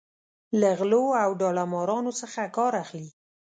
له غلو او داړه مارانو څخه کار اخلي.